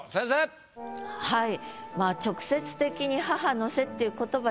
はい。